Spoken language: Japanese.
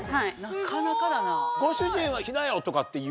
なかなかだな。